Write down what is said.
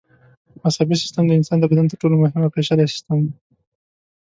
عصبي سیستم د انسان د بدن تر ټولو مهم او پېچلی سیستم دی.